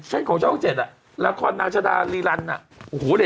เช่นของช่องเจ็ดอ่ะละครนาชดารีรันดร์อ่ะ